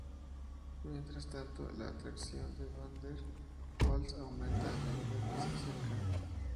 Mientras tanto, la atracción de Van der Waals aumenta a medida que se acercan.